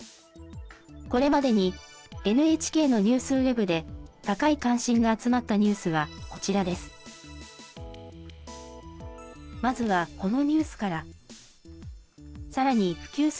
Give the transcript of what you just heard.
これまでにＮＨＫのニュースウェブで高い関心が集まったニュースはこちらです。